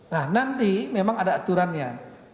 nah nanti memang ada aturannya